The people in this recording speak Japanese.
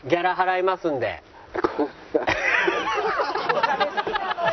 「お金好きなのよ」